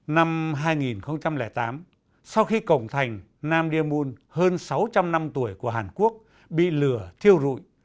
năm hai nghìn tám sau khi cổng thành nam demun hơn sáu trăm linh năm tuổi của hàn quốc bị lửa thiêu rụi